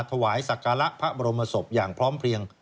ถวายสักการะพระบรมศพอย่างพร้อมเพลียง